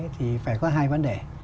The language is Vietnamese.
thì phải có hai vấn đề